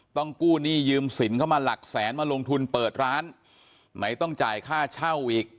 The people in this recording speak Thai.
ต้องกู้หนี้ยืมสินเข้ามาหลักแสนมาลงทุนเปิดร้านไหนต้องจ่ายค่าเช่าอีก